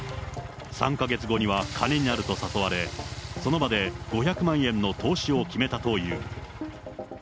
３か月後には金になると誘われ、その場で５００万円の投資を決めたという。